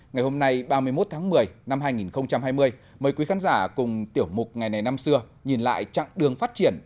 ngày hôm nay ba mươi một tháng một mươi năm hai nghìn hai mươi mời quý khán giả cùng tiểu mục ngày này năm xưa nhìn lại chặng đường phát triển